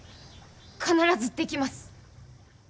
必ずできます。